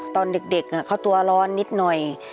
ตอนเด็กเขาตัวร้อนนิดหน่อย